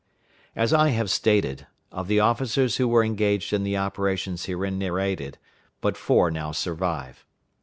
As I have stated, of the officers who were engaged in the operations herein narrated, but four now survive.